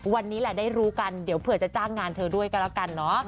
วันนี้แหละได้รู้กันเดี๋ยวเผื่อจะจ้างงานเธอด้วยกันแล้วกันเนาะ